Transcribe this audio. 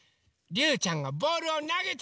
りゅうちゃんがボールをなげて。